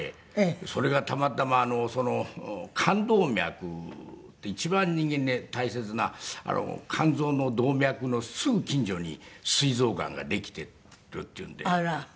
それがたまたま肝動脈って一番人間に大切な肝臓の動脈のすぐ近所に膵臓がんができているっていうんで。